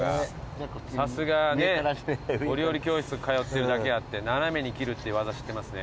さすがお料理教室通ってるだけあって斜めに切るって技知ってますね。